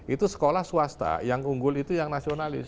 itu sekolah swasta yang unggul itu yang nasionalis